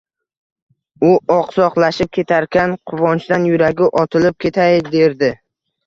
U oqsoqlanib ketarkan, quvonchdan yuragi otilib ketay derdi